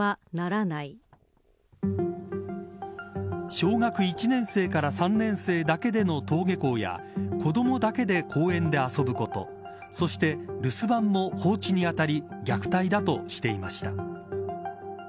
小学１年生から３年生だけでの登下校や子どもだけで公園で遊ぶことそして留守番も放置に当たり虐待だとしていました。